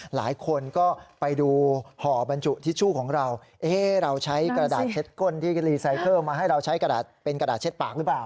หลายคนก็ไปดูห่อบรรจุทิชชู่ของเราเราใช้กระดาษเช็ดก้นที่รีไซเคิลมาให้เราใช้กระดาษเป็นกระดาษเช็ดปากหรือเปล่า